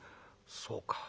「そうか。